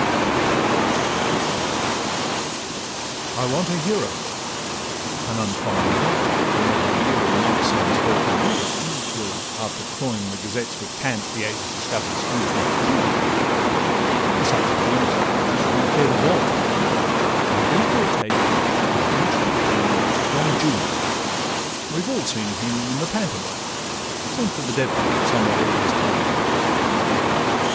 CANTO THE FIRST I want a hero: an uncommon want, When every year and month sends forth a new one, Till, after cloying the gazettes with cant, The age discovers he is not the true one; Of such as these I should not care to vaunt, I'll therefore take our ancient friend Don Juan— We all have seen him, in the pantomime, Sent to the devil somewhat ere his time.